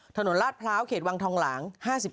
ถนนราชพร้าวเขตวังทองหลัง๕๑